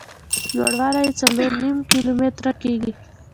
لوړ والی یې څلور نیم کیلومتره کېږي.